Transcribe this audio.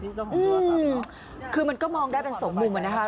อืมคือมันก็มองได้เป็นสองมุมอะนะคะ